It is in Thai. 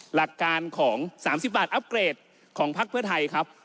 หลักการของ๓๐บาทอัพเกรดของพักเพื่อไทยครับ